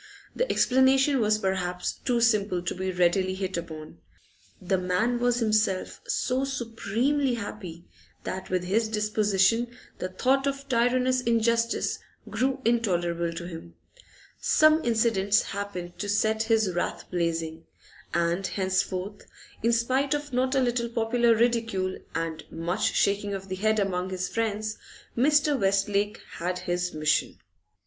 The explanation was perhaps too simple to be readily hit upon; the man was himself so supremely happy that with his disposition the thought of tyrannous injustice grew intolerable to him. Some incidents happened to set his wrath blazing, and henceforth, in spite of not a little popular ridicule and much shaking of the head among his friends, Mr. Westlake had his mission.